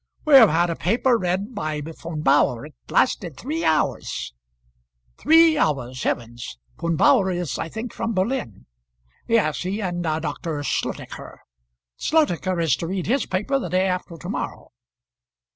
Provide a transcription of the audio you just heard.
"We have had a paper read by Von Bauhr. It lasted three hours." "Three hours! heavens! Von Bauhr is, I think, from Berlin." "Yes; he and Dr. Slotacher. Slotacher is to read his paper the day after to morrow."